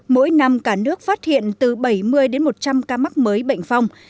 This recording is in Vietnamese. mỗi năm cả nước phát hiện từ bảy mươi đến một trăm linh ca mắc mới bệnh phong